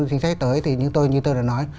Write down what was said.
chính sách tới thì như tôi đã nói